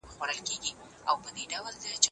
نوښتګره ښوونه ذهن روښانه کوي.